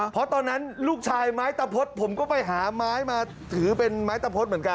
เพราะตอนนั้นลูกชายไม้ตะพดผมก็ไปหาไม้มาถือเป็นไม้ตะพดเหมือนกัน